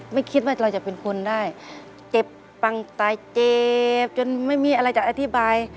ไม่คิดว่าเราจะเป็นคนได้เจ็บปังตายเจ็บจนไม่มีอะไรจะอธิบาย